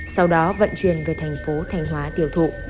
sau đó vận chuyển về thành phố thanh hóa tiêu thụ